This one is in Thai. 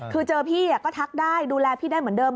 คือเจอพี่ก็ทักได้ดูแลพี่ได้เหมือนเดิม